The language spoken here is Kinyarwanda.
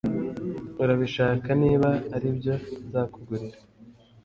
Urabishaka Niba aribyo nzakugurira